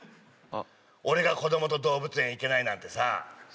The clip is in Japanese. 俺が子供と動物園行けないなんてさ。